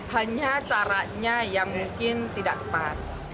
hanya caranya yang mungkin tidak tepat